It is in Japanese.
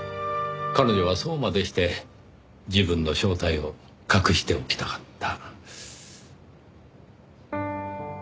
彼女はそうまでして自分の正体を隠しておきたかった。